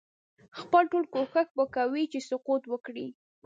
خپل ټول کوښښ به کوي چې سقوط وکړي.